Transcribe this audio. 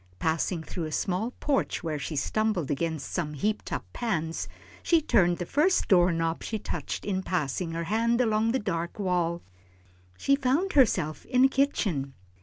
Passing through a small porch where she stumbled against some heaped up pans, she turned the first door knob she touched in passing her hand around the dark wall. She found herself in a kitchen.